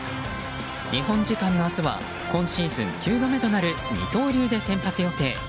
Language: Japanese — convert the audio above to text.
日本時間の明日は今シーズン９度目となる二刀流で先発予定。